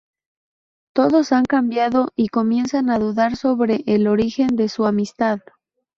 Todos han cambiado y comienzan a dudar sobre el origen de su amistad.